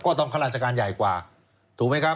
ก็ต้องค่าราชการใหญ่กว่าถูกไหมครับ